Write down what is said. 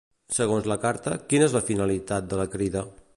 Segons la carta, quina és la finalitat de la Crida?